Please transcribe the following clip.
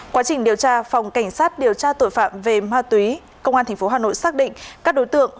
quá trình điều tra phòng cảnh sát điều tra tội phạm về ma túy công an tp hà nội xác định các đối tượng